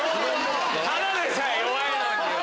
⁉ただでさえ弱いのによ！